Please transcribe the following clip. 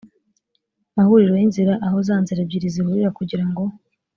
mahuriro y inzira aho za nzira ebyiri zihurira kugira ngo